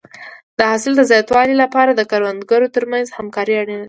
د حاصل د زیاتوالي لپاره د کروندګرو ترمنځ همکاري اړینه ده.